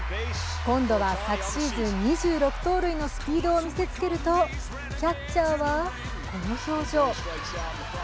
今度は昨シーズン２６盗塁のスピードを見せつけるとキャッチャーは、この表情。